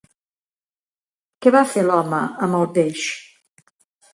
Què va fer l'home amb el peix?